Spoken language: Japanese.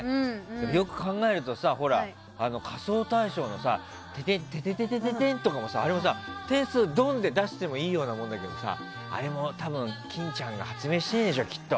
よく考えるとさ「仮装大賞」の得点のテテテもあれも、点数ドン！で出してもいいけどさあれも多分、欽ちゃんが発明してるんでしょ、きっと。